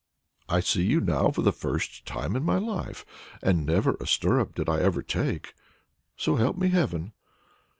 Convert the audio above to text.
I see you now for the first time in my life, and never a stirrup did I ever take, so help me Heaven!"